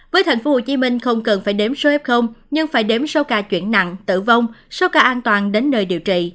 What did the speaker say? với tp hcm không cần phải đếm số f nhưng phải đếm số ca chuyển nặng tử vong số ca an toàn đến nơi điều trị